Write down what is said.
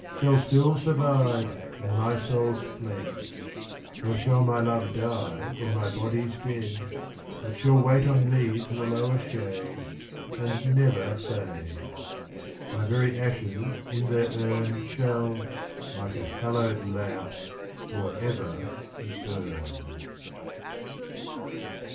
Shall still survive Wlien my soul's fled ; Nor shall my love die, when ray Ijody's dead ; That shall wait on me to the lower shade, And never fade : My very ashes in their urn Shall, like a hallowed lamp, for ever burn.